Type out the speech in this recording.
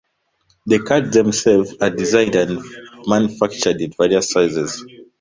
The cards themselves are designed and manufactured in various sizes.